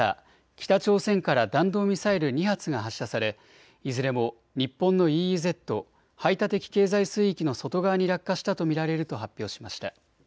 北朝鮮から弾道ミサイル２発が発射されいずれも日本のＥＥＺ・排他的経済水域の外側に落下したと見られると発表しました。